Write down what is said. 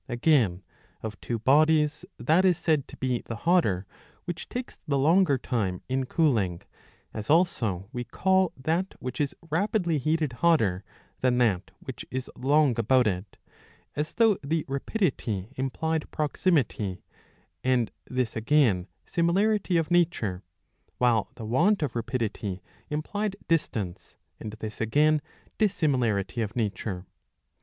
Again, of two bodies, that is said to be the hotter which takes the longer time in cooling, as also we call that which is rapidly heated hotter than that which is long about it ; as though the rapidity implied proximity and this again similarity of nature, while the want of rapidity implied distance and this again dissimilarity of nature.